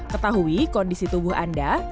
ketahui kondisi tubuh anda